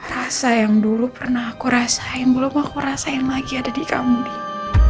rasa yang dulu pernah aku rasain belum aku rasain lagi ada di kamu nih